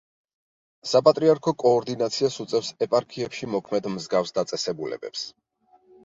საპატრიარქო კოორდინაციას უწევს ეპარქიებში მოქმედ მსგავს დაწესებულებებს.